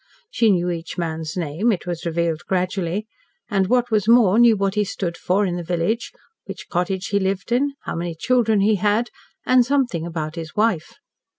She knew each man's name, it was revealed gradually, and, what was more, knew what he stood for in the village, what cottage he lived in, how many children he had, and something about his wife.